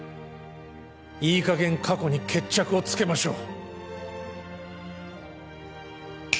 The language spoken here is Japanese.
いい加減、過去に決着をつけましょう。